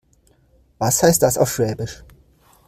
Was heißt das auf Schwäbisch?